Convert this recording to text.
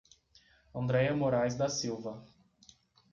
Andreia Moraes da Silva